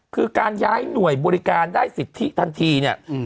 คือการย้ายหน่วยบริการได้สิทธิทันทีเนี่ย